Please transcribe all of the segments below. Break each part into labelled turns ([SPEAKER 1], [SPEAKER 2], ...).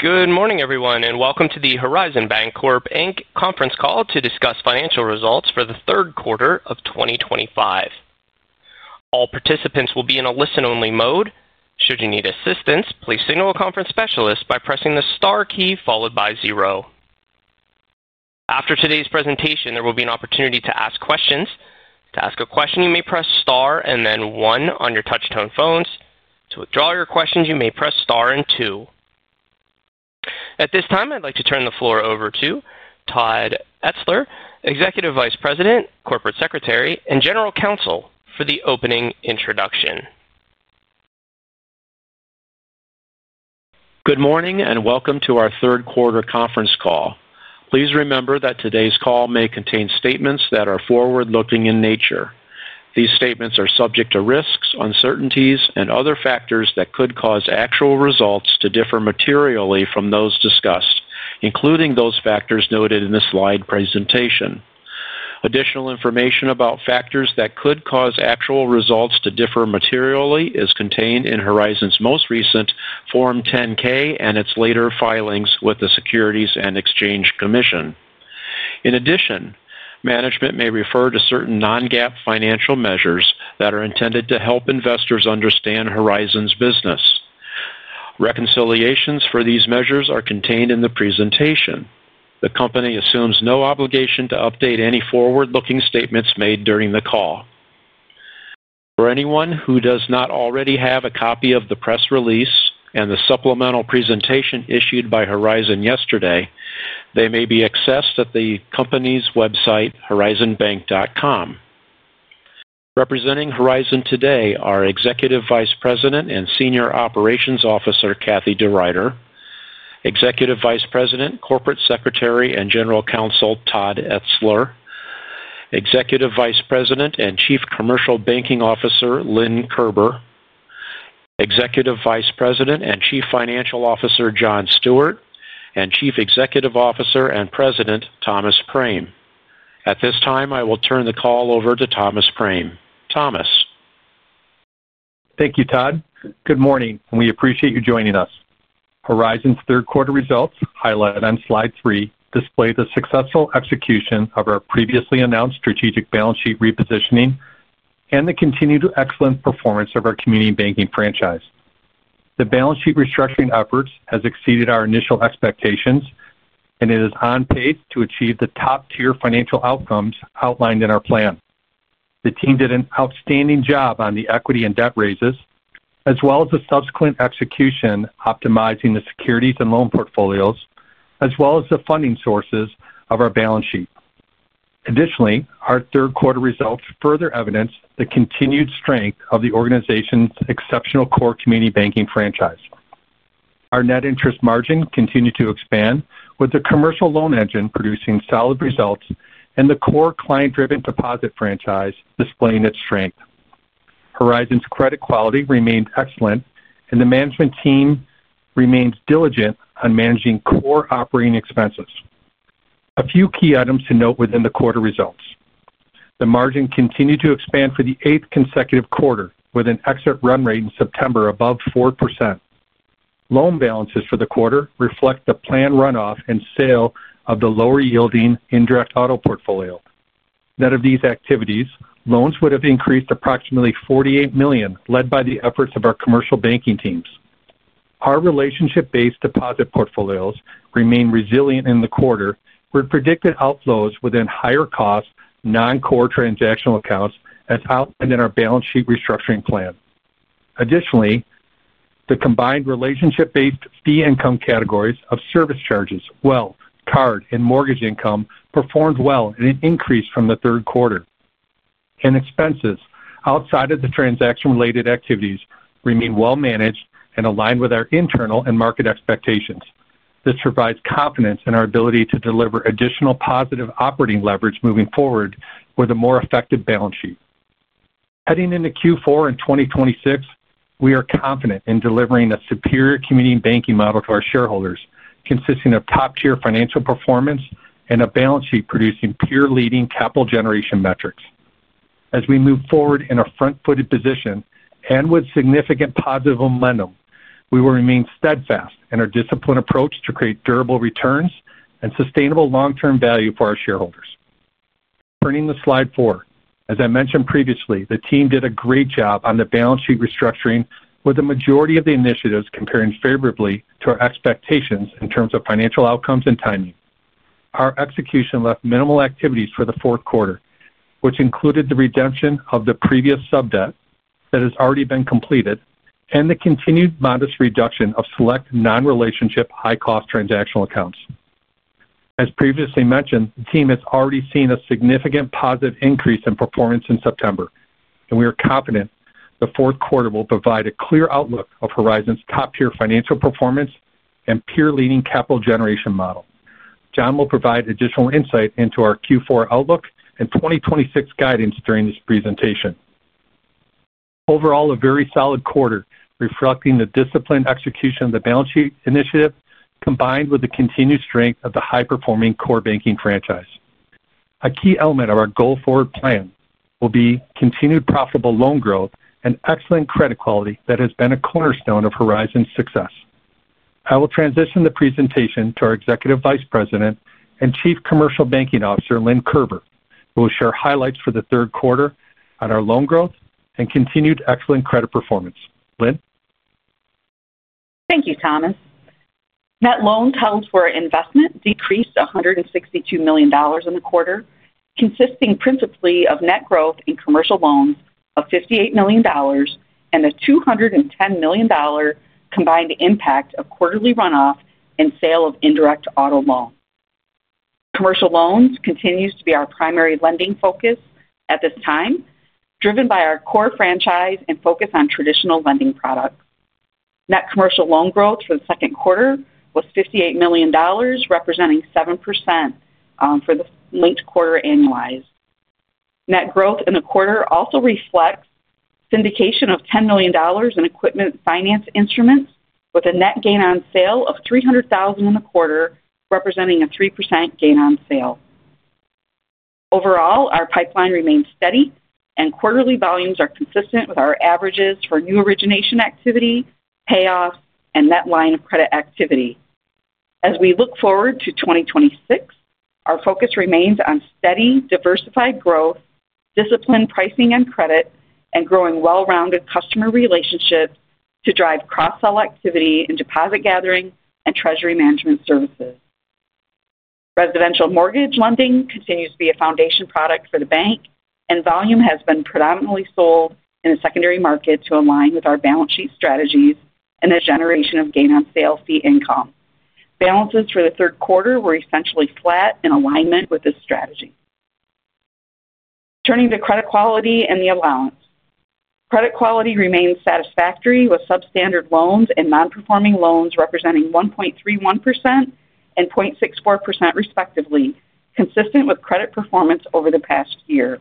[SPEAKER 1] Good morning, everyone, and welcome to the Horizon Bancorp Inc. conference call to discuss financial results for the third quarter of 2025. All participants will be in a listen-only mode. Should you need assistance, please signal a conference specialist by pressing the star key followed by zero. After today's presentation, there will be an opportunity to ask questions. To ask a question, you may press star and then one on your touch-tone phones. To withdraw your questions, you may press star and two. At this time, I'd like to turn the floor over to Todd Etzler, Executive Vice President, Corporate Secretary, and General Counsel for the opening introduction.
[SPEAKER 2] Good morning and welcome to our third-quarter conference call. Please remember that today's call may contain statements that are forward-looking in nature. These statements are subject to risks, uncertainties, and other factors that could cause actual results to differ materially from those discussed, including those factors noted in the slide presentation. Additional information about factors that could cause actual results to differ materially is contained in Horizon Bancorp Inc.'s most recent Form 10-K and its later filings with the Securities and Exchange Commission. In addition, management may refer to certain non-GAAP financial measures that are intended to help investors understand Horizon Bancorp Inc.'s business. Reconciliations for these measures are contained in the presentation. The company assumes no obligation to update any forward-looking statements made during the call. For anyone who does not already have a copy of the press release and the supplemental presentation issued by Horizon Bancorp Inc. yesterday, they may be accessed at the company's website, horizonbank.com. Representing Horizon Bancorp Inc. today are Executive Vice President and Senior Operations Officer, Kathie DeRuiter, Executive Vice President, Corporate Secretary, and General Counsel, Todd Etzler, Executive Vice President and Chief Commercial Banking Officer, Lynn Kerber, Executive Vice President and Chief Financial Officer, John Stewart, and Chief Executive Officer and President, Thomas Prame. At this time, I will turn the call over to Thomas Prame. Thomas.
[SPEAKER 3] Thank you, Todd. Good morning, and we appreciate you joining us. Horizon's third-quarter results, highlighted on slide three, display the successful execution of our previously announced strategic balance sheet repositioning and the continued excellent performance of our community banking franchise. The balance sheet restructuring efforts have exceeded our initial expectations, and it is on pace to achieve the top-tier financial outcomes outlined in our plan. The team did an outstanding job on the equity and debt raises, as well as the subsequent execution optimizing the securities and loan portfolios, as well as the funding sources of our balance sheet. Additionally, our third-quarter results further evidence the continued strength of the organization's exceptional core community banking franchise. Our net interest margin continued to expand with the commercial loan engine producing solid results and the core client-driven deposit franchise displaying its strength. Horizon's credit quality remained excellent, and the management team remains diligent on managing core operating expenses. A few key items to note within the quarter results: the margin continued to expand for the eighth consecutive quarter, with an exit run rate in September above 4%. Loan balances for the quarter reflect the planned runoff and sale of the lower-yielding indirect auto loan portfolio. Absent these activities, loans would have increased approximately $48 million, led by the efforts of our commercial banking teams. Our relationship-based deposit portfolios remain resilient in the quarter, with predicted outflows within higher-cost non-core transactional accounts as outlined in our balance sheet restructuring plan. Additionally, the combined relationship-based fee income categories of service charges, card, and mortgage income performed well in an increase from the third quarter. Expenses outside of the transaction-related activities remain well managed and aligned with our internal and market expectations. This provides confidence in our ability to deliver additional positive operating leverage moving forward with a more effective balance sheet. Heading into Q4 in 2026, we are confident in delivering a superior community banking model to our shareholders, consisting of top-tier financial performance and a balance sheet producing pure leading capital generation metrics. As we move forward in a front-footed position and with significant positive momentum, we will remain steadfast in our disciplined approach to create durable returns and sustainable long-term value for our shareholders. Turning to slide four, as I mentioned previously, the team did a great job on the balance sheet restructuring with the majority of the initiatives comparing favorably to our expectations in terms of financial outcomes and timing. Our execution left minimal activities for the fourth quarter, which included the redemption of the previous sub-debt that has already been completed and the continued modest reduction of select non-relationship high-cost transactional accounts. As previously mentioned, the team has already seen a significant positive increase in performance in September, and we are confident the fourth quarter will provide a clear outlook of Horizon Bancorp Inc.'s top-tier financial performance and pure leading capital generation model. John will provide additional insight into our Q4 outlook and 2026 guidance during this presentation. Overall, a very solid quarter reflecting the disciplined execution of the balance sheet initiative, combined with the continued strength of the high-performing core banking franchise. A key element of our goal-forward plan will be continued profitable loan growth and excellent credit quality that has been a cornerstone of Horizon Bancorp Inc.'s success. I will transition the presentation to our Executive Vice President and Chief Commercial Banking Officer, Lynn Kerber, who will share highlights for the third quarter on our loan growth and continued excellent credit performance. Lynn.
[SPEAKER 4] Thank you, Thomas. Net loan total for investment decreased to $162 million in the quarter, consisting principally of net growth in commercial loans of $58 million and a $210 million combined impact of quarterly runoff and sale of indirect auto loans. Commercial loans continue to be our primary lending focus at this time, driven by our core franchise and focus on traditional lending products. Net commercial loan growth for the second quarter was $58 million, representing 7% for the linked quarter annualized. Net growth in the quarter also reflects syndication of $10 million in equipment finance instruments, with a net gain on sale of $300,000 in the quarter, representing a 3% gain on sale. Overall, our pipeline remains steady, and quarterly volumes are consistent with our averages for new origination activity, payoffs, and net line of credit activity. As we look forward to 2026, our focus remains on steady, diversified growth, disciplined pricing and credit, and growing well-rounded customer relationships to drive cross-sell activity in deposit gathering and treasury management services. Residential mortgage lending continues to be a foundation product for the bank, and volume has been predominantly sold in the secondary market to align with our balance sheet strategies and the generation of gain on sale fee income. Balances for the third quarter were essentially flat in alignment with this strategy. Turning to credit quality and the allowance, credit quality remains satisfactory with substandard loans and non-performing loans representing 1.31% and 0.64% respectively, consistent with credit performance over the past year.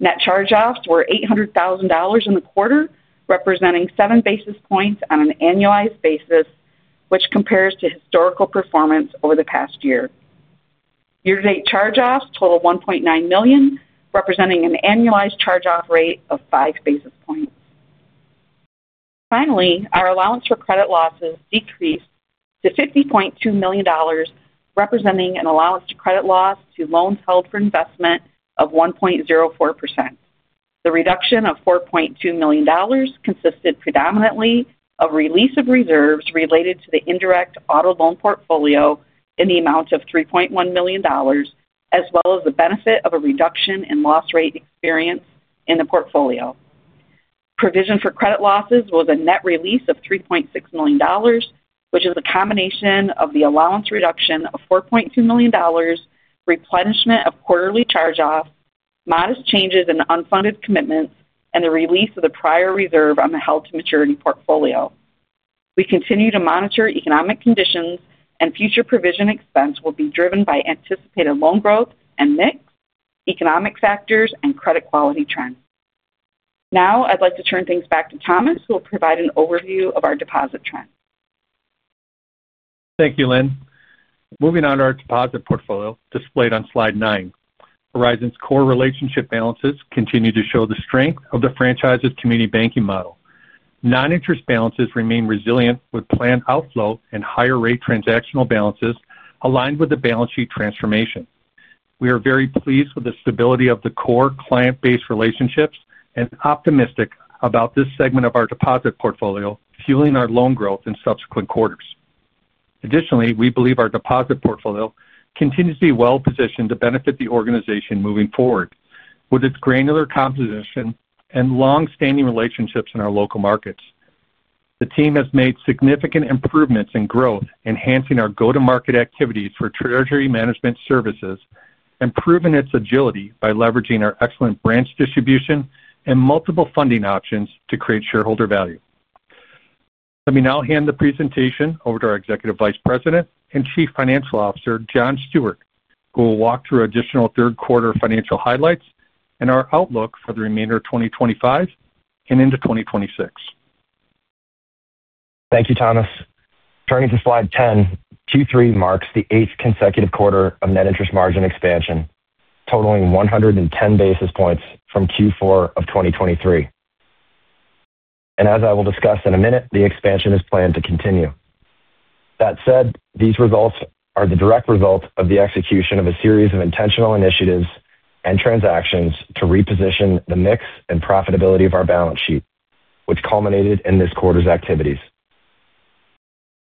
[SPEAKER 4] Net charge-offs were $800,000 in the quarter, representing seven basis points on an annualized basis, which compares to historical performance over the past year. Year-to-date charge-offs total $1.9 million, representing an annualized charge-off rate of five basis points. Finally, our allowance for credit losses decreased to $50.2 million, representing an allowance to credit loss to loans held for investment of 1.04%. The reduction of $4.2 million consisted predominantly of a release of reserves related to the indirect auto loan portfolio in the amount of $3.1 million, as well as the benefit of a reduction in loss rate experience in the portfolio. Provision for credit losses was a net release of $3.6 million, which is a combination of the allowance reduction of $4.2 million, replenishment of quarterly charge-offs, modest changes in unfunded commitments, and the release of the prior reserve on the held-to-maturity portfolio. We continue to monitor economic conditions, and future provision expense will be driven by anticipated loan growth and mix, economic factors, and credit quality trends. Now, I'd like to turn things back to Thomas, who will provide an overview of our deposit trends.
[SPEAKER 3] Thank you, Lynn. Moving on to our deposit portfolio displayed on slide nine, Horizon's core relationship balances continue to show the strength of the franchise's community banking model. Non-interest balances remain resilient with planned outflow and higher-rate transactional balances aligned with the balance sheet transformation. We are very pleased with the stability of the core client-based relationships and optimistic about this segment of our deposit portfolio fueling our loan growth in subsequent quarters. Additionally, we believe our deposit portfolio continues to be well-positioned to benefit the organization moving forward with its granular composition and long-standing relationships in our local markets. The team has made significant improvements in growth, enhancing our go-to-market activities for treasury management services and proven its agility by leveraging our excellent branch distribution and multiple funding options to create shareholder value. Let me now hand the presentation over to our Executive Vice President and Chief Financial Officer, John Stewart, who will walk through additional third-quarter financial highlights and our outlook for the remainder of 2025 and into 2026.
[SPEAKER 5] Thank you, Thomas. Turning to slide 10, Q3 marks the eighth consecutive quarter of net interest margin expansion, totaling 110 basis points from Q4 of 2023. As I will discuss in a minute, the expansion is planned to continue. That said, these results are the direct result of the execution of a series of intentional initiatives and transactions to reposition the mix and profitability of our balance sheet, which culminated in this quarter's activities.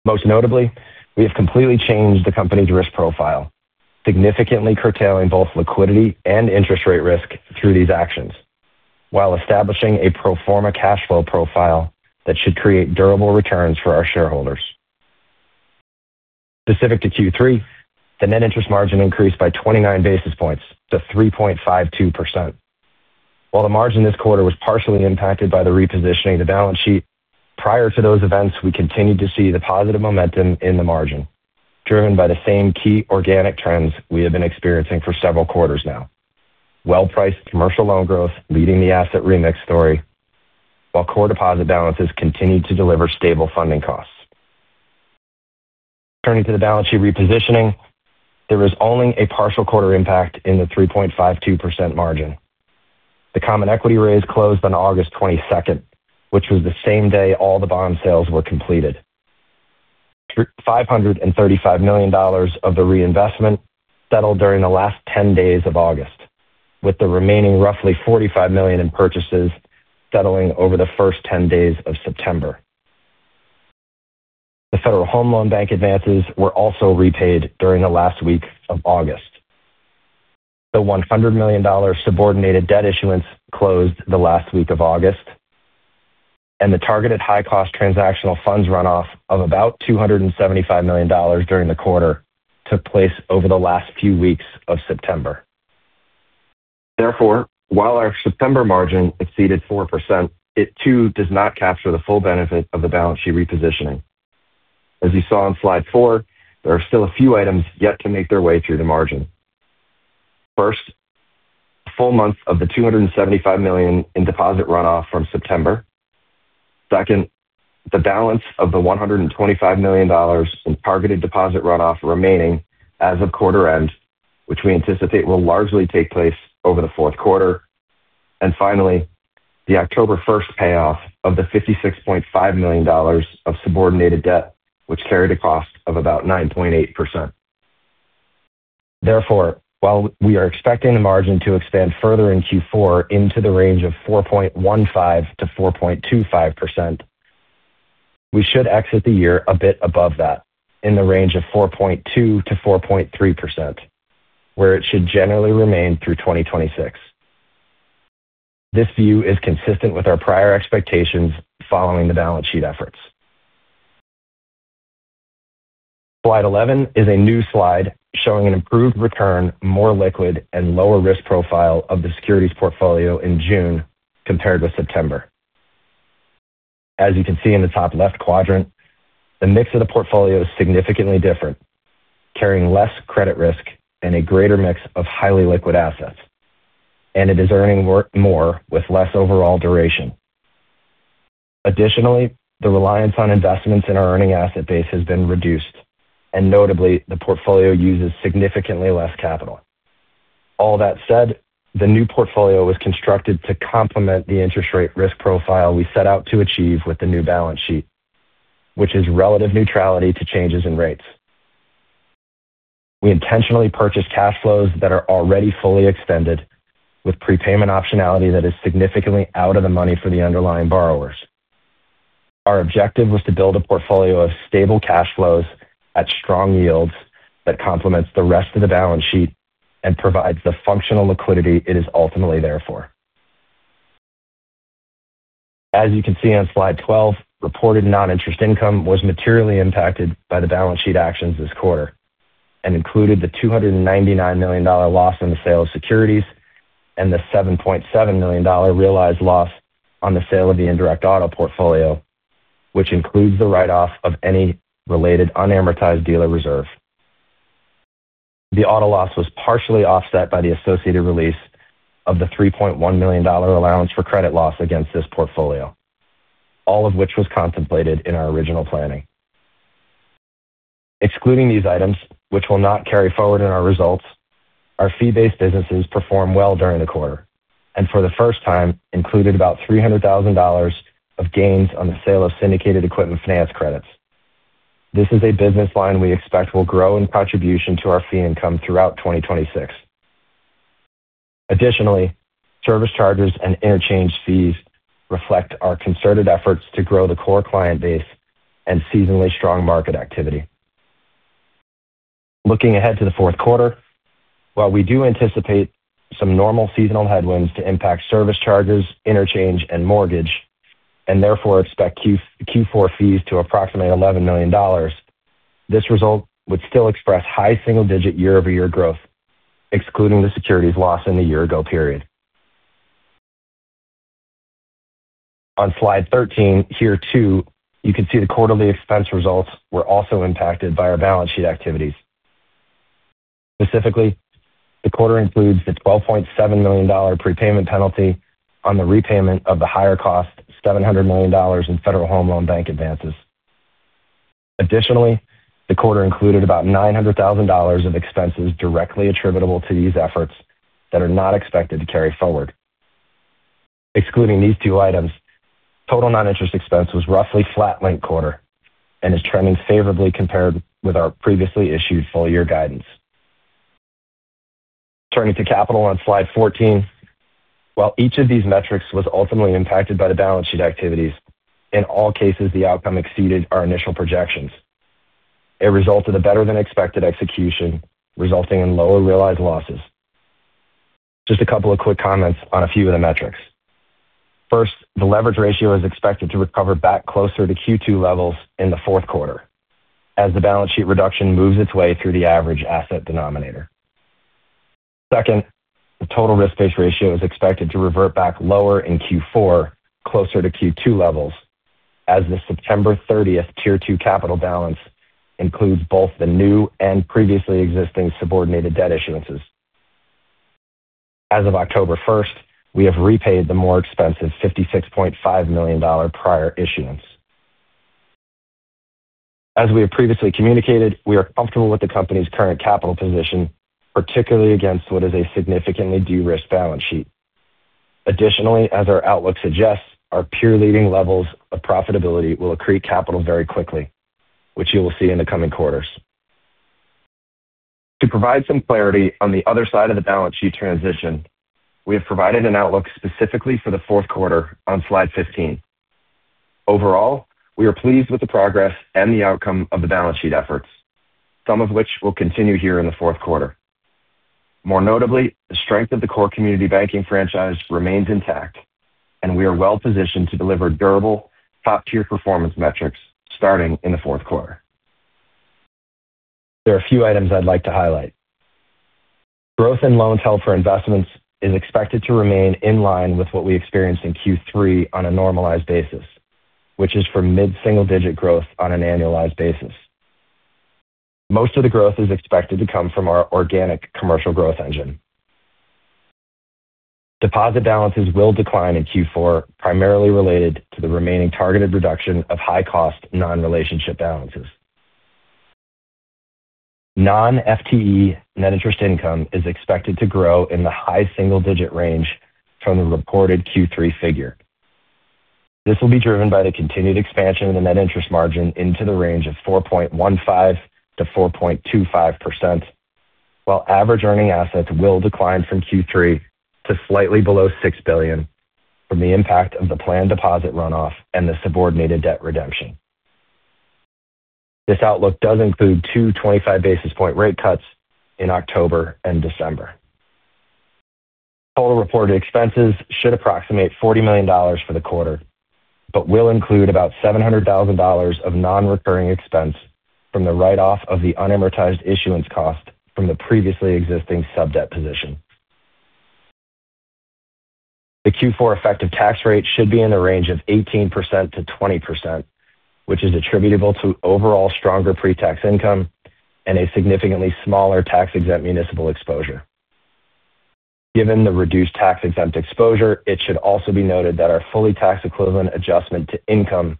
[SPEAKER 5] Most notably, we have completely changed the company's risk profile, significantly curtailing both liquidity and interest rate risk through these actions, while establishing a pro forma cash flow profile that should create durable returns for our shareholders. Specific to Q3, the net interest margin increased by 29 basis points to 3.52%. While the margin this quarter was partially impacted by the repositioning of the balance sheet, prior to those events, we continued to see the positive momentum in the margin, driven by the same key organic trends we have been experiencing for several quarters now: well-priced commercial loan growth leading the asset remix story, while core deposit balances continued to deliver stable funding costs. Turning to the balance sheet repositioning, there was only a partial quarter impact in the 3.52% margin. The common equity raise closed on August 22, which was the same day all the bond sales were completed. $535 million of the reinvestment settled during the last 10 days of August, with the remaining roughly $45 million in purchases settling over the first 10 days of September. The Federal Home Loan Bank advances were also repaid during the last week of August. The $100 million subordinated debt issuance closed the last week of August, and the targeted high-cost transactional funds runoff of about $275 million during the quarter took place over the last few weeks of September. Therefore, while our September margin exceeded 4%, it too does not capture the full benefit of the balance sheet repositioning. As you saw on slide four, there are still a few items yet to make their way through the margin. First, a full month of the $275 million in deposit runoff from September. Second, the balance of the $125 million in targeted deposit runoff remaining as of quarter end, which we anticipate will largely take place over the fourth quarter. Finally, the October 1 payoff of the $56.5 million of subordinated debt, which carried a cost of about 9.8%. Therefore, while we are expecting the margin to expand further in Q4 into the range of 4.15%-4.25%, we should exit the year a bit above that, in the range of 4.2%-4.3%, where it should generally remain through 2026. This view is consistent with our prior expectations following the balance sheet efforts. Slide 11 is a new slide showing an improved return, more liquid, and lower risk profile of the securities portfolio in June compared with September. As you can see in the top left quadrant, the mix of the portfolio is significantly different, carrying less credit risk and a greater mix of highly liquid assets, and it is earning more with less overall duration. Additionally, the reliance on investments in our earning asset base has been reduced, and notably, the portfolio uses significantly less capital. All that said, the new portfolio was constructed to complement the interest rate risk profile we set out to achieve with the new balance sheet, which is relative neutrality to changes in rates. We intentionally purchased cash flows that are already fully extended, with prepayment optionality that is significantly out of the money for the underlying borrowers. Our objective was to build a portfolio of stable cash flows at strong yields that complements the rest of the balance sheet and provides the functional liquidity it is ultimately there for. As you can see on slide 12, reported non-interest income was materially impacted by the balance sheet actions this quarter and included the $299 million loss in the sale of securities and the $7.7 million realized loss on the sale of the indirect auto loan portfolio, which includes the write-off of any related unamortized dealer reserve. The auto loss was partially offset by the associated release of the $3.1 million allowance for credit loss against this portfolio, all of which was contemplated in our original planning. Excluding these items, which will not carry forward in our results, our fee-based businesses performed well during the quarter and for the first time included about $300,000 of gains on the sale of syndicated equipment finance credits. This is a business line we expect will grow in contribution to our fee income throughout 2026. Additionally, service charges and interchange fees reflect our concerted efforts to grow the core client base and seasonally strong market activity. Looking ahead to the fourth quarter, while we do anticipate some normal seasonal headwinds to impact service charges, interchange, and mortgage, and therefore expect Q4 fees to approximate $11 million, this result would still express high single-digit year-over-year growth, excluding the securities loss in the year-ago period. On slide 13 here too, you can see the quarterly expense results were also impacted by our balance sheet activities. Specifically, the quarter includes the $12.7 million prepayment penalty on the repayment of the higher cost $700 million in Federal Home Loan Bank advances. Additionally, the quarter included about $900,000 of expenses directly attributable to these efforts that are not expected to carry forward. Excluding these two items, total non-interest expense was roughly flat linked quarter and is trending favorably compared with our previously issued full-year guidance. Turning to capital on slide 14, while each of these metrics was ultimately impacted by the balance sheet activities, in all cases, the outcome exceeded our initial projections. It resulted in a better than expected execution, resulting in lower realized losses. Just a couple of quick comments on a few of the metrics. First, the leverage ratio is expected to recover back closer to Q2 levels in the fourth quarter as the balance sheet reduction moves its way through the average asset denominator. Second, the total risk-based ratio is expected to revert back lower in Q4, closer to Q2 levels, as the September 30th tier two capital balance includes both the new and previously existing subordinated debt issuances. As of October 1st, we have repaid the more expensive $56.5 million prior issuance. As we have previously communicated, we are comfortable with the company's current capital position, particularly against what is a significantly de-risked balance sheet. Additionally, as our outlook suggests, our pure leading levels of profitability will accrete capital very quickly, which you will see in the coming quarters. To provide some clarity on the other side of the balance sheet transition, we have provided an outlook specifically for the fourth quarter on slide 15. Overall, we are pleased with the progress and the outcome of the balance sheet efforts, some of which will continue here in the fourth quarter. More notably, the strength of the core community banking franchise remains intact, and we are well-positioned to deliver durable top-tier performance metrics starting in the fourth quarter. There are a few items I'd like to highlight. Growth in loans held for investment is expected to remain in line with what we experienced in Q3 on a normalized basis, which is for mid-single-digit growth on an annualized basis. Most of the growth is expected to come from our organic commercial growth engine. Deposit balances will decline in Q4, primarily related to the remaining targeted reduction of high-cost non-relationship balances. Non-FTE net interest income is expected to grow in the high single-digit range from the reported Q3 figure. This will be driven by the continued expansion of the net interest margin into the range of 4.15%-4.25%, while average earning assets will decline from Q3 to slightly below $6 billion from the impact of the planned deposit runoff and the subordinated debt redemption. This outlook does include two 25 basis point rate cuts in October and December. Total reported expenses should approximate $40 million for the quarter, but will include about $700,000 of non-recurring expense from the write-off of the unamortized issuance cost from the previously existing sub-debt position. The Q4 effective tax rate should be in the range of 18%-20%, which is attributable to overall stronger pre-tax income and a significantly smaller tax-exempt municipal exposure. Given the reduced tax-exempt exposure, it should also be noted that our fully tax equivalent adjustment to income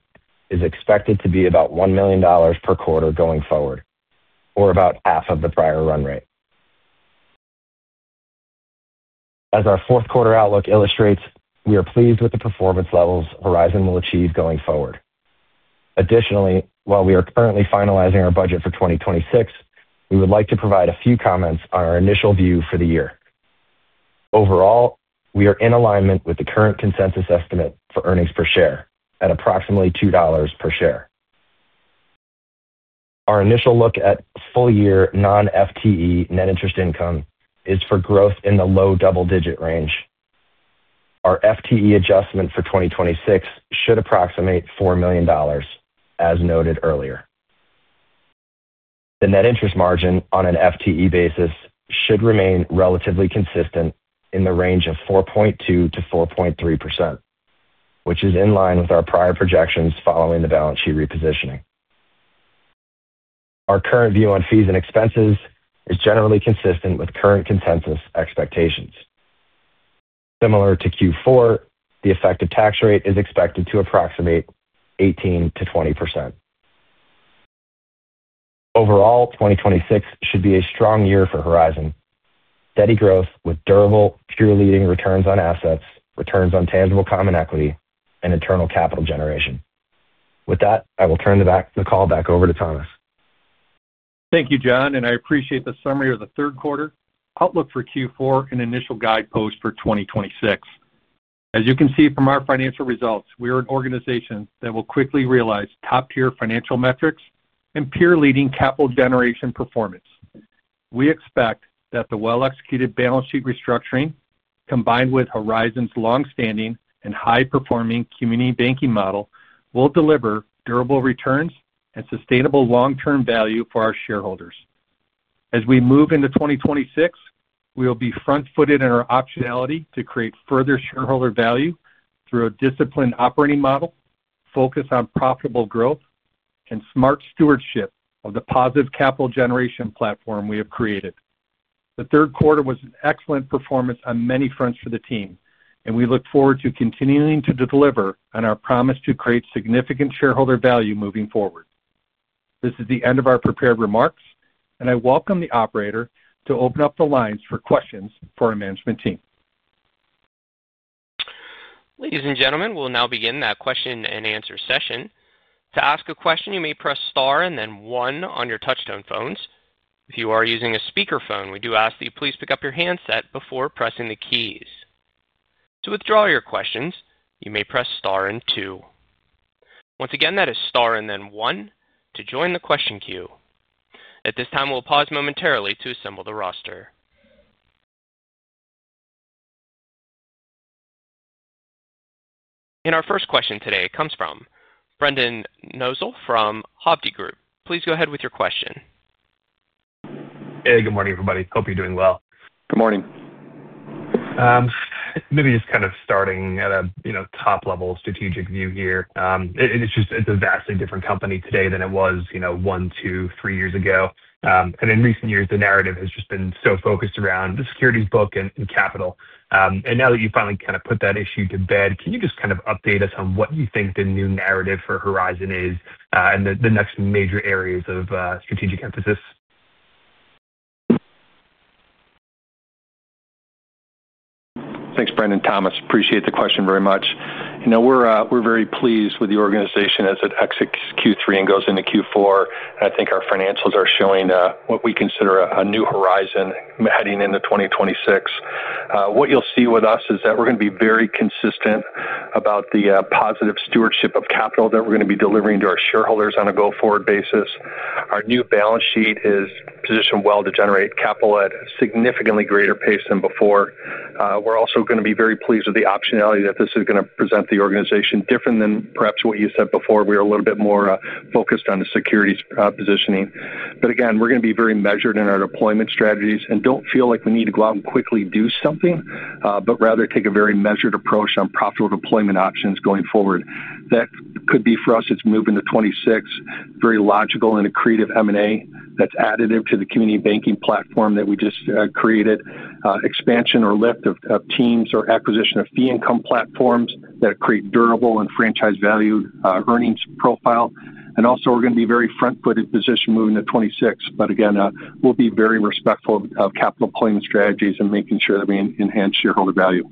[SPEAKER 5] is expected to be about $1 million per quarter going forward, or about half of the prior run rate. As our fourth quarter outlook illustrates, we are pleased with the performance levels Horizon Bancorp Inc. will achieve going forward. Additionally, while we are currently finalizing our budget for 2026, we would like to provide a few comments on our initial view for the year. Overall, we are in alignment with the current consensus estimate for earnings per share at approximately $2 per share. Our initial look at full-year non-FTE net interest income is for growth in the low double-digit range. Our FTE adjustment for 2026 should approximate $4 million, as noted earlier. The net interest margin on an FTE basis should remain relatively consistent in the range of 4.2%-4.3%, which is in line with our prior projections following the balance sheet repositioning. Our current view on fees and expenses is generally consistent with current consensus expectations. Similar to Q4, the effective tax rate is expected to approximate 18%-20%. Overall, 2026 should be a strong year for Horizon Bancorp Inc. Steady growth with durable pure leading returns on assets, returns on tangible common equity, and internal capital generation. With that, I will turn the call back over to Thomas.
[SPEAKER 3] Thank you, John, and I appreciate the summary of the third quarter outlook for Q4 and initial guidepost for 2026. As you can see from our financial results, we are an organization that will quickly realize top-tier financial metrics and pure leading capital generation performance. We expect that the well-executed balance sheet repositioning, combined with Horizon Bancorp Inc.'s long-standing and high-performing community banking model, will deliver durable returns on assets and sustainable long-term value for our shareholders. As we move into 2026, we will be front-footed in our optionality to create further shareholder value through a disciplined operating model, focus on profitable growth, and smart stewardship of the positive capital generation platform we have created. The third quarter was an excellent performance on many fronts for the team, and we look forward to continuing to deliver on our promise to create significant shareholder value moving forward. This is the end of our prepared remarks, and I welcome the operator to open up the lines for questions for our management team.
[SPEAKER 1] Ladies and gentlemen, we'll now begin the question and answer session. To ask a question, you may press star and then one on your touch-tone phones. If you are using a speaker phone, we do ask that you please pick up your handset before pressing the keys. To withdraw your questions, you may press star and two. Once again, that is star and then one to join the question queue. At this time, we'll pause momentarily to assemble the roster. Our first question today comes from Brendan Nosal from Hovde Group. Please go ahead with your question.
[SPEAKER 6] Hey, good morning, everybody. Hope you're doing well.
[SPEAKER 3] Good morning.
[SPEAKER 6] Maybe just kind of starting at a top-level strategic view here. It's just, it's a vastly different company today than it was one, two, three years ago. In recent years, the narrative has just been so focused around the securities book and capital. Now that you've finally kind of put that issue to bed, can you just kind of update us on what you think the new narrative for Horizon Bancorp Inc. is, and the next major areas of strategic emphasis?
[SPEAKER 3] Thanks, Brendan. Appreciate the question very much. We're very pleased with the organization as it exits Q3 and goes into Q4. I think our financials are showing what we consider a new Horizon heading into 2026. What you'll see with us is that we're going to be very consistent about the positive stewardship of capital that we're going to be delivering to our shareholders on a go-forward basis. Our new balance sheet is positioned well to generate capital at a significantly greater pace than before. We're also going to be very pleased with the optionality that this is going to present the organization, different than perhaps what you said before. We are a little bit more focused on the securities positioning. Again, we're going to be very measured in our deployment strategies and don't feel like we need to go out and quickly do something, but rather take a very measured approach on profitable deployment options going forward. That could be for us, it's moving to 2026. Very logical in a creative M&A that's additive to the community banking platform that we just created, expansion or lift of teams, or acquisition of fee income platforms that create durable and franchise value, earnings profile. Also, we're going to be very front-footed position moving to 2026. Again, we'll be very respectful of capital planning strategies and making sure that we enhance shareholder value.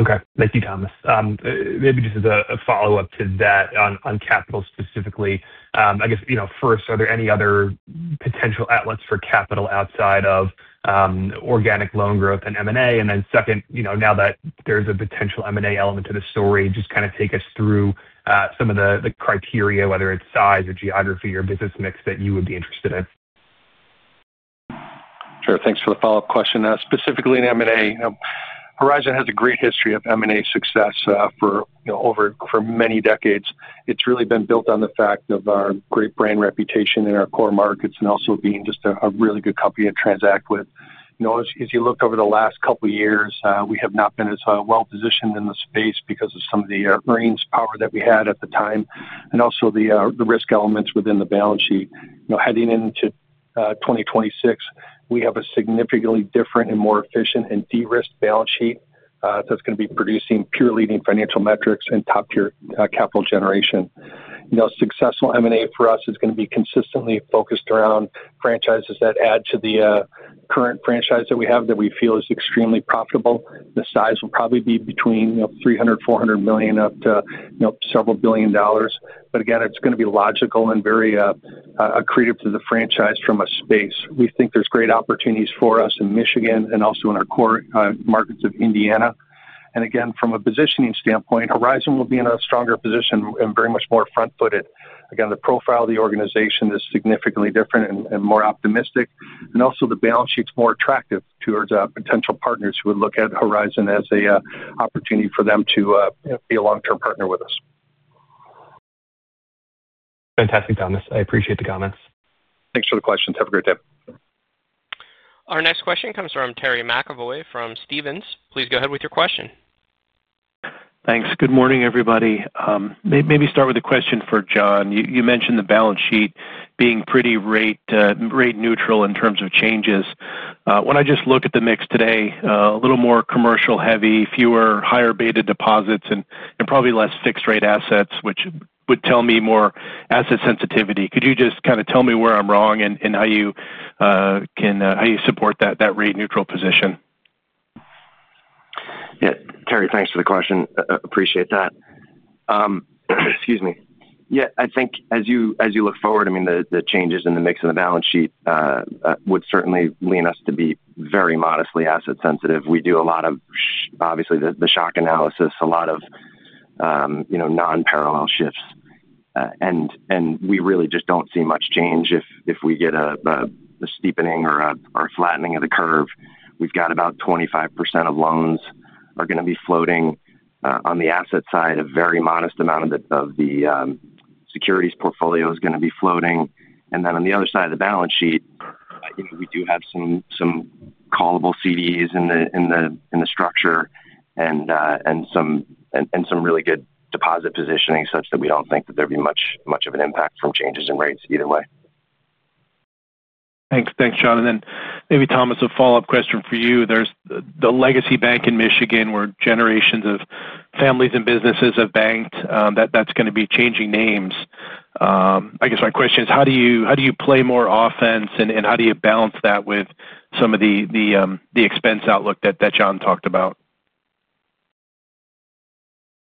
[SPEAKER 6] Okay. Thank you, Thomas. Maybe just as a follow-up to that on capital specifically, I guess, you know, first, are there any other potential outlets for capital outside of organic loan growth and M&A? Then second, you know, now that there's a potential M&A element to the story, just kind of take us through some of the criteria, whether it's size or geography or business mix that you would be interested in.
[SPEAKER 3] Sure. Thanks for the follow-up question. Specifically in M&A, you know, Horizon Bancorp Inc. has a great history of M&A success for, you know, over for many decades. It's really been built on the fact of our great brand reputation in our core markets and also being just a really good company to transact with. You know, as you look over the last couple of years, we have not been as well positioned in the space because of some of the earnings power that we had at the time and also the risk elements within the balance sheet. Heading into 2026, we have a significantly different and more efficient and de-risked balance sheet that's going to be producing peer leading financial metrics and top-tier capital generation. You know, successful M&A for us is going to be consistently focused around franchises that add to the current franchise that we have that we feel is extremely profitable. The size will probably be between, you know, $300 million, $400 million up to, you know, several billion dollars. Again, it's going to be logical and very accretive to the franchise from a space. We think there's great opportunities for us in Michigan and also in our core markets of Indiana. Again, from a positioning standpoint, Horizon Bancorp Inc. will be in a stronger position and very much more front-footed. The profile of the organization is significantly different and more optimistic. Also, the balance sheet's more attractive towards potential partners who would look at Horizon Bancorp Inc. as an opportunity for them to be a long-term partner with us.
[SPEAKER 6] Fantastic, Thomas. I appreciate the comments.
[SPEAKER 3] Thanks for the questions. Have a great day.
[SPEAKER 1] Our next question comes from Terry McEvoy from Stephens. Please go ahead with your question.
[SPEAKER 7] Thanks. Good morning, everybody. Maybe start with a question for John. You mentioned the balance sheet being pretty rate neutral in terms of changes. When I just look at the mix today, a little more commercial heavy, fewer higher beta deposits, and probably less fixed-rate assets, which would tell me more asset sensitivity. Could you just kind of tell me where I'm wrong and how you support that rate neutral position?
[SPEAKER 5] Yeah. Terry, thanks for the question. Appreciate that. Excuse me. Yeah, I think as you look forward, the changes in the mix of the balance sheet would certainly lean us to be very modestly asset-sensitive. We do a lot of, obviously, the shock analysis, a lot of non-parallel shifts, and we really just don't see much change if we get a steepening or a flattening of the curve. We've got about 25% of loans are going to be floating. On the asset side, a very modest amount of the securities portfolio is going to be floating. On the other side of the balance sheet, we do have some callable CDs in the structure and some really good deposit positioning such that we don't think that there'd be much of an impact from changes in rates either way.
[SPEAKER 7] Thanks, John. Maybe, Thomas, a follow-up question for you. There's the legacy bank in Michigan where generations of families and businesses have banked. That's going to be changing names. My question is how do you play more offense, and how do you balance that with some of the expense outlook that John talked about?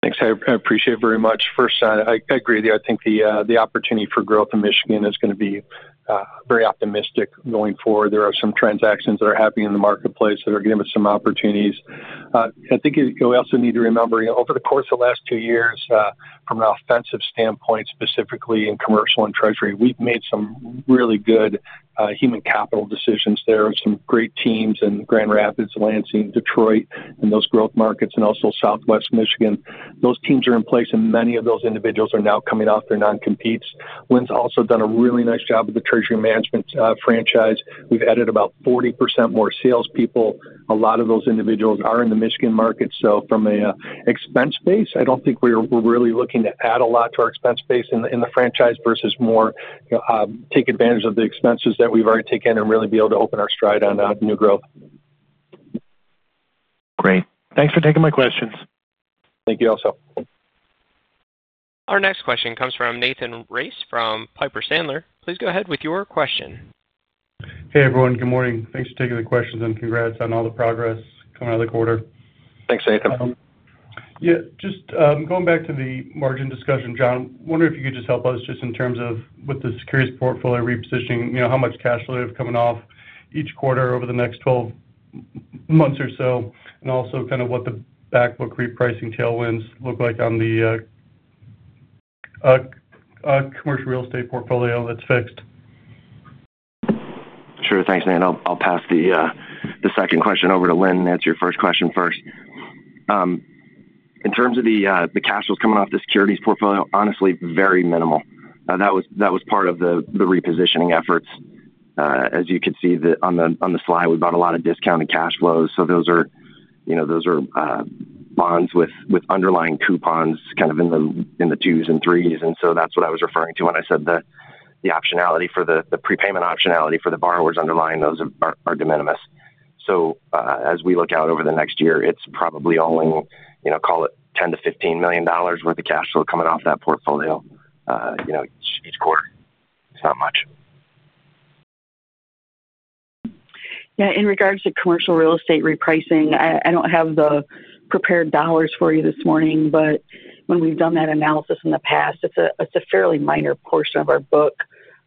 [SPEAKER 3] Thanks. I appreciate it very much. First, I agree with you. I think the opportunity for growth in Michigan is going to be very optimistic going forward. There are some transactions that are happening in the marketplace that are giving us some opportunities. I think we also need to remember, you know, over the course of the last two years, from an offensive standpoint, specifically in commercial and treasury, we've made some really good human capital decisions there with some great teams in Grand Rapids, Lansing, Detroit, and those growth markets and also Southwest Michigan. Those teams are in place, and many of those individuals are now coming off their non-competes. Lynn's also done a really nice job with the treasury management franchise. We've added about 40% more salespeople. A lot of those individuals are in the Michigan market. From an expense base, I don't think we're really looking to add a lot to our expense base in the franchise versus more, you know, take advantage of the expenses that we've already taken and really be able to open our stride on new growth.
[SPEAKER 7] Great. Thanks for taking my questions.
[SPEAKER 3] Thank you also.
[SPEAKER 1] Our next question comes from Nathan Race from Piper Sandler. Please go ahead with your question.
[SPEAKER 8] Hey, everyone. Good morning. Thanks for taking the questions, and congrats on all the progress coming out of the quarter.
[SPEAKER 3] Thanks, Nathan.
[SPEAKER 8] Yeah, just going back to the margin discussion, John, I wonder if you could just help us in terms of, with the securities portfolio repositioning, how much cash flow you have coming off each quarter over the next 12 months or so, and also what the backbook repricing tailwinds look like on the commercial real estate portfolio that's fixed.
[SPEAKER 5] Sure. Thanks, Lynn. I'll pass the second question over to Lynn and answer your first question first. In terms of the cash flows coming off the securities portfolio, honestly, very minimal. That was part of the repositioning efforts. As you could see on the slide, we bought a lot of discounted cash flows. Those are bonds with underlying coupons kind of in the twos and threes. That's what I was referring to when I said the optionality for the prepayment optionality for the borrowers underlying those are de minimis. As we look out over the next year, it's probably only, call it $10 million to $15 million worth of cash flow coming off that portfolio each quarter. It's not much.
[SPEAKER 4] Yeah. In regards to commercial real estate repricing, I don't have the prepared dollars for you this morning, but when we've done that analysis in the past, it's a fairly minor portion of our book.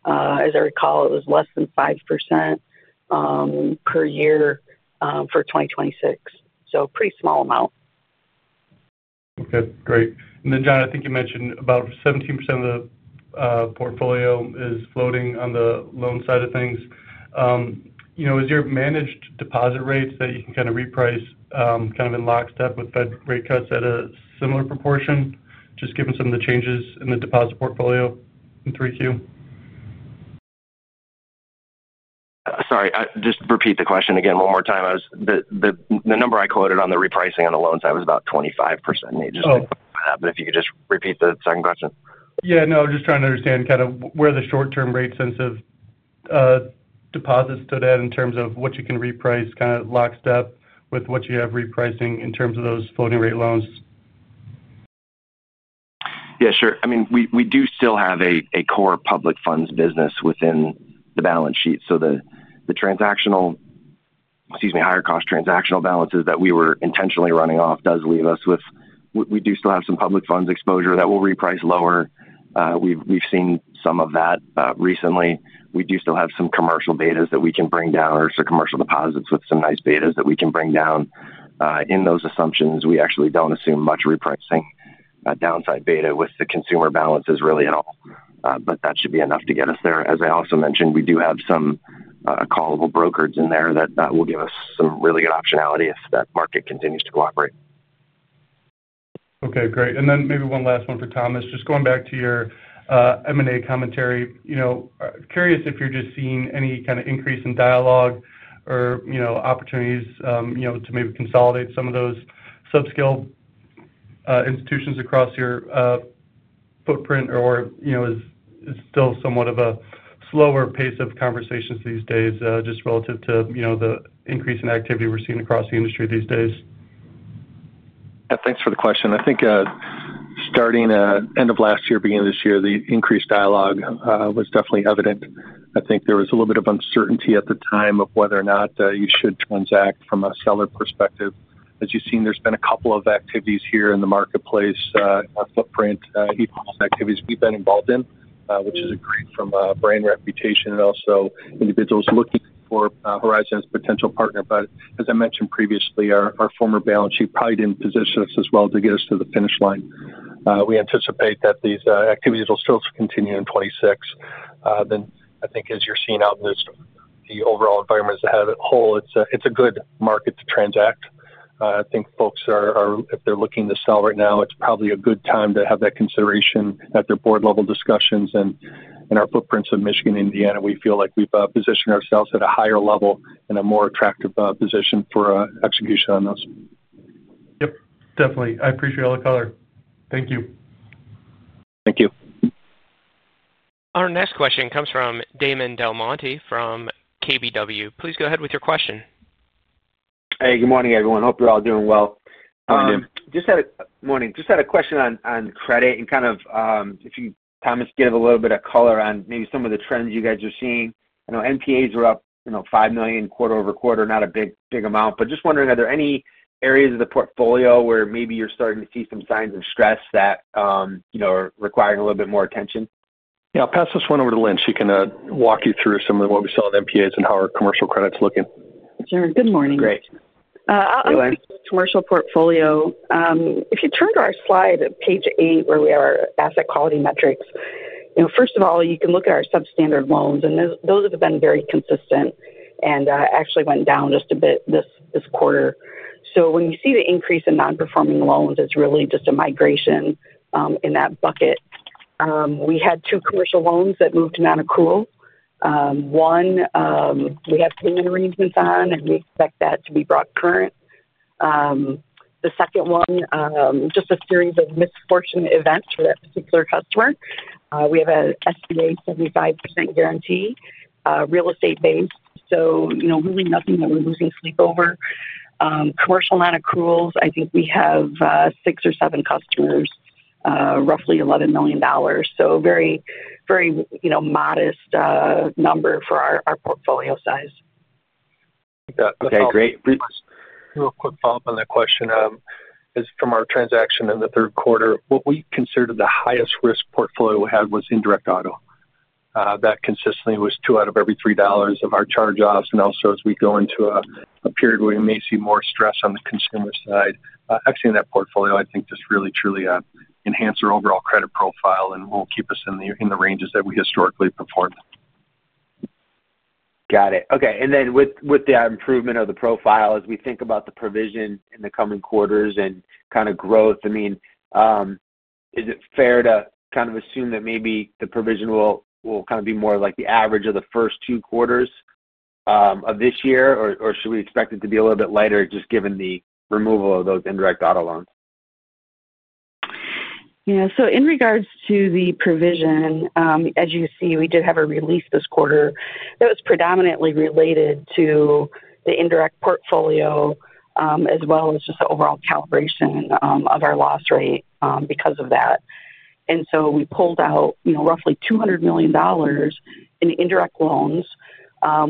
[SPEAKER 4] As I recall, it was less than 5% per year for 2026, so a pretty small amount.
[SPEAKER 8] Okay. Great. John, I think you mentioned about 17% of the portfolio is floating on the loan side of things. Is your managed deposit rates that you can kind of reprice in lockstep with Fed rate cuts at a similar proportion, just given some of the changes in the deposit portfolio in 3Q?
[SPEAKER 5] Sorry, just repeat the question again one more time. The number I quoted on the repricing on the loan side was about 25%. Just to clarify that, if you could just repeat the second question.
[SPEAKER 8] I'm just trying to understand kind of where the short-term rate sensitive deposits stood at in terms of what you can reprice kind of lockstep with what you have repricing in terms of those floating rate loans.
[SPEAKER 5] Yeah, sure. I mean, we do still have a core public funds business within the balance sheet. The higher-cost transactional balances that we were intentionally running off does leave us with, we do still have some public funds exposure that will reprice lower. We've seen some of that recently. We do still have some commercial betas that we can bring down or some commercial deposits with some nice betas that we can bring down. In those assumptions, we actually don't assume much repricing downside beta with the consumer balances really at all, but that should be enough to get us there. As I also mentioned, we do have some callable brokers in there that will give us some really good optionality if that market continues to cooperate.
[SPEAKER 8] Okay. Great. Maybe one last one for Thomas. Just going back to your M&A commentary, curious if you're just seeing any kind of increase in dialogue or opportunities to maybe consolidate some of those subscale institutions across your footprint, or is it still somewhat of a slower pace of conversations these days, just relative to the increase in activity we're seeing across the industry these days?
[SPEAKER 3] Yeah. Thanks for the question. I think, starting at the end of last year, beginning of this year, the increased dialogue was definitely evident. I think there was a little bit of uncertainty at the time of whether or not you should transact from a seller perspective. As you've seen, there's been a couple of activities here in the marketplace, in our footprint, M&A activities we've been involved in, which is great from a brand reputation and also individuals looking for Horizon Bancorp Inc. as a potential partner. As I mentioned previously, our former balance sheet probably didn't position us as well to get us to the finish line. We anticipate that these activities will still continue in 2026. I think as you're seeing out in the overall environment as a whole, it's a good market to transact. I think folks, if they're looking to sell right now, it's probably a good time to have that consideration at their board-level discussions. In our footprints of Michigan and Indiana, we feel like we've positioned ourselves at a higher level and a more attractive position for execution on those.
[SPEAKER 8] Yep. Definitely. I appreciate all the color. Thank you.
[SPEAKER 5] Thank you.
[SPEAKER 1] Our next question comes from Damon DelMonte from KBW. Please go ahead with your question.
[SPEAKER 9] Hey, good morning, everyone. Hope you're all doing well.
[SPEAKER 3] Morning.
[SPEAKER 6] I just had a question on credit and, if you, Thomas, could give a little bit of color on maybe some of the trends you guys are seeing. I know NPAs are up $5 million quarter over quarter, not a big amount. Just wondering, are there any areas of the portfolio where maybe you're starting to see some signs of stress that are requiring a little bit more attention?
[SPEAKER 3] Yeah. I'll pass this one over to Lynn. She can walk you through some of what we saw in NPAs and how our commercial credit's looking.
[SPEAKER 4] Sure, good morning.
[SPEAKER 9] Great.
[SPEAKER 4] I'll answer the commercial portfolio. If you turn to our slide on page eight where we have our asset quality metrics, you know, first of all, you can look at our substandard loans, and those have been very consistent and actually went down just a bit this quarter. When you see the increase in non-performing loans, it's really just a migration in that bucket. We had two commercial loans that moved to non-accrual. One, we have payment arrangements on, and we expect that to be brought current. The second one, just a series of misfortunate events for that particular customer. We have an SBA 75% guarantee, real estate-based. So, you know, really nothing that we're losing sleep over. Commercial non-accruals, I think we have six or seven customers, roughly $11 million. So a very, very modest number for our portfolio size.
[SPEAKER 9] Okay. Great.
[SPEAKER 5] Thanks, Thomas.
[SPEAKER 3] Real quick follow-up on that question. As from our transaction in the third quarter, what we considered the highest risk portfolio we had was indirect auto. That consistently was 2 out of every $3 of our charge-offs. Also, as we go into a period where we may see more stress on the consumer side, exiting that portfolio, I think just really, truly enhances our overall credit profile and will keep us in the ranges that we historically performed.
[SPEAKER 9] Got it. Okay. With the improvement of the profile, as we think about the provision in the coming quarters and kind of growth, is it fair to kind of assume that maybe the provision will be more like the average of the first two quarters of this year, or should we expect it to be a little bit lighter just given the removal of those indirect auto loans?
[SPEAKER 4] Yeah. In regards to the provision, as you see, we did have a release this quarter that was predominantly related to the indirect auto loan portfolio, as well as just the overall calibration of our loss rate because of that. We pulled out roughly $200 million in indirect loans,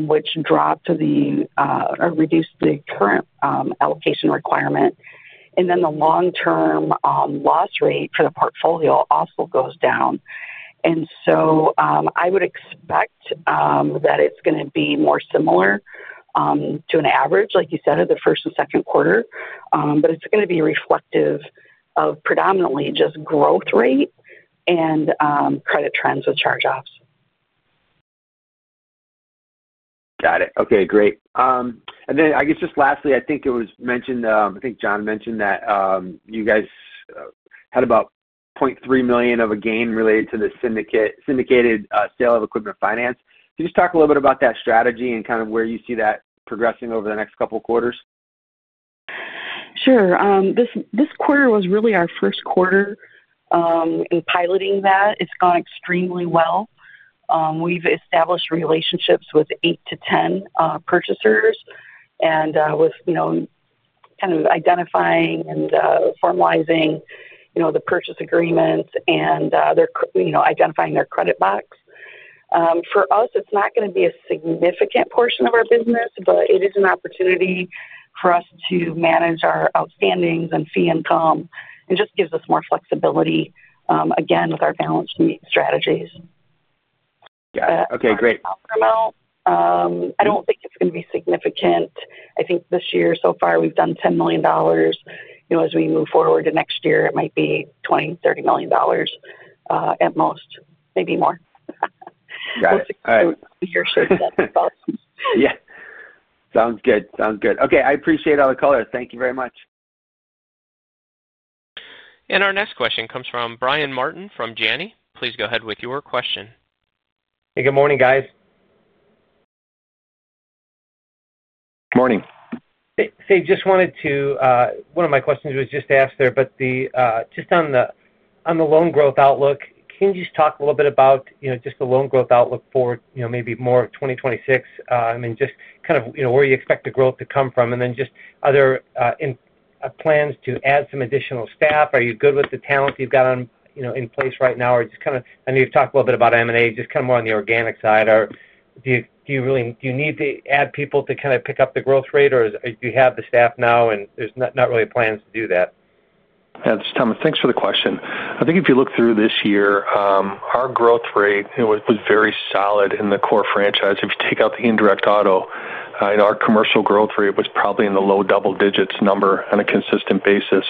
[SPEAKER 4] which reduced the current allocation requirement. The long-term loss rate for the portfolio also goes down. I would expect that it's going to be more similar to an average, like you said, of the first and second quarter, but it's going to be reflective of predominantly just growth rate and credit trends with charge-offs.
[SPEAKER 9] Got it. Okay. Great. I think it was mentioned, I think John mentioned that you guys had about $0.3 million of a gain related to the syndicated sale of equipment finance. Could you just talk a little bit about that strategy and kind of where you see that progressing over the next couple of quarters?
[SPEAKER 4] Sure. This quarter was really our first quarter in piloting that. It's gone extremely well. We've established relationships with 8 to 10 purchasers and, with, you know, kind of identifying and formalizing, you know, the purchase agreements and their, you know, identifying their credit box. For us, it's not going to be a significant portion of our business, but it is an opportunity for us to manage our outstandings and fee income and just gives us more flexibility, again, with our balance sheet strategies.
[SPEAKER 9] Got it. Okay. Great.
[SPEAKER 4] I don't think it's going to be significant. I think this year so far we've done $10 million. As we move forward to next year, it might be $20 million, $30 million at most, maybe more.
[SPEAKER 9] Got it. All right.
[SPEAKER 4] Your shake set thoughts.
[SPEAKER 9] Sounds good. Sounds good. Okay, I appreciate all the color. Thank you very much.
[SPEAKER 1] Our next question comes from Brian Martin from Janney. Please go ahead with your question.
[SPEAKER 10] Hey, good morning, guys.
[SPEAKER 5] Morning.
[SPEAKER 10] One of my questions was just asked there, but on the loan growth outlook, can you talk a little bit about the loan growth outlook for maybe more of 2026? I mean, where you expect the growth to come from, and then other plans to add some additional staff? Are you good with the talent that you've got in place right now, or I know you've talked a little bit about M&A, more on the organic side, or do you really need to add people to pick up the growth rate, or do you have the staff now and there's not really plans to do that?
[SPEAKER 3] Yeah. Thomas, thanks for the question. I think if you look through this year, our growth rate was very solid in the core franchise. If you take out the indirect auto, our commercial growth rate was probably in the low double digits number on a consistent basis.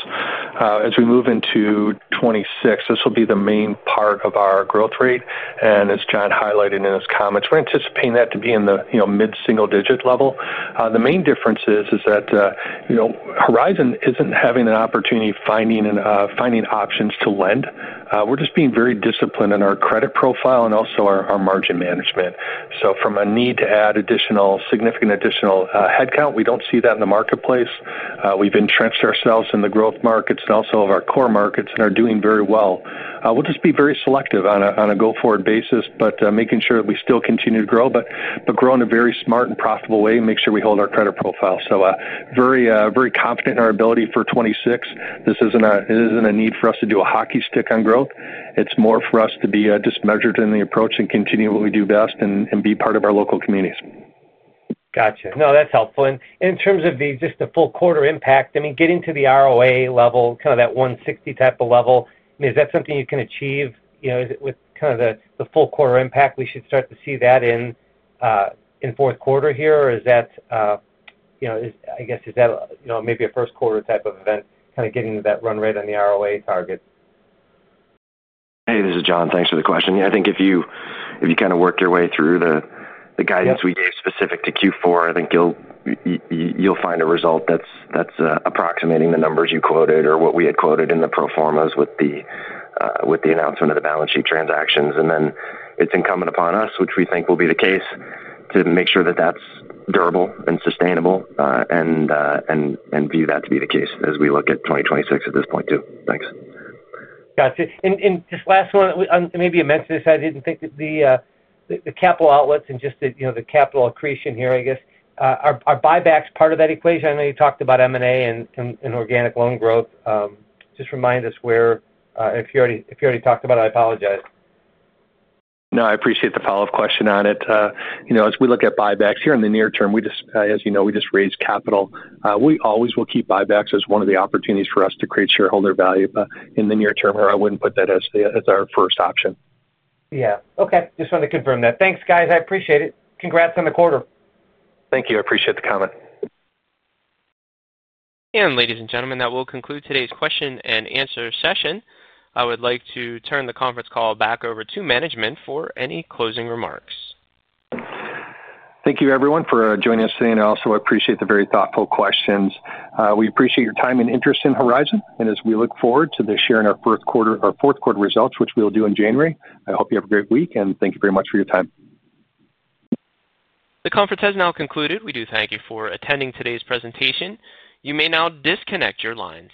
[SPEAKER 3] As we move into 2026, this will be the main part of our growth rate. As John highlighted in his comments, we're anticipating that to be in the mid-single-digit level. The main difference is that Horizon Bancorp Inc. isn't having an opportunity finding options to lend. We're just being very disciplined in our credit profile and also our margin management. From a need to add significant additional headcount, we don't see that in the marketplace. We've entrenched ourselves in the growth markets and also our core markets and are doing very well. We'll just be very selective on a go-forward basis, making sure that we still continue to grow, but grow in a very smart and profitable way and make sure we hold our credit profile. Very, very confident in our ability for 2026. This isn't a need for us to do a hockey stick on growth. It's more for us to be just measured in the approach and continue what we do best and be part of our local communities.
[SPEAKER 10] Gotcha. No, that's helpful. In terms of the full quarter impact, I mean, getting to the ROA level, kind of that 1.60% type of level, is that something you can achieve? Is it with the full quarter impact we should start to see that in fourth quarter here, or is that maybe a first-quarter type of event, kind of getting to that run rate on the ROA target?
[SPEAKER 5] Hey, this is John. Thanks for the question. I think if you kind of work your way through the guidance we gave specific to Q4, you'll find a result that's approximating the numbers you quoted or what we had quoted in the pro forma with the announcement of the balance sheet transactions. It's incumbent upon us, which we think will be the case, to make sure that that's durable and sustainable, and view that to be the case as we look at 2026 at this point too. Thanks.
[SPEAKER 10] Gotcha. Just last one, I may have missed this. I didn't think that the capital outlets and just the capital accretion here, I guess, are buybacks part of that equation? I know you talked about M&A and organic loan growth. Just remind us where, if you already talked about it, I apologize.
[SPEAKER 3] No, I appreciate the follow-up question on it. As we look at buybacks here in the near term, we just, as you know, we just raised capital. We always will keep buybacks as one of the opportunities for us to create shareholder value, but in the near term, I wouldn't put that as our first option.
[SPEAKER 10] Yeah. Okay. Just wanted to confirm that. Thanks, guys. I appreciate it. Congrats on the quarter.
[SPEAKER 5] Thank you. I appreciate the comment.
[SPEAKER 1] Ladies and gentlemen, that will conclude today's question and answer session. I would like to turn the conference call back over to management for any closing remarks.
[SPEAKER 3] Thank you, everyone, for joining us today. I also appreciate the very thoughtful questions. We appreciate your time and interest in Horizon Bancorp Inc. As we look forward to sharing our fourth quarter results, which we will do in January, I hope you have a great week, and thank you very much for your time.
[SPEAKER 1] The conference has now concluded. We do thank you for attending today's presentation. You may now disconnect your lines.